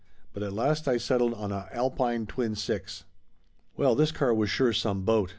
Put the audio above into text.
But at last I settled on a Alpine twin six. Well, this car was sure some boat.